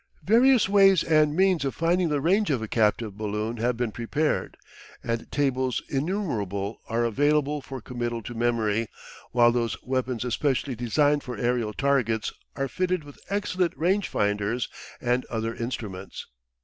Various ways and means of finding the range of a captive balloon have been prepared, and tables innumerable are available for committal to memory, while those weapons especially designed for aerial targets are fitted with excellent range finders and other instruments.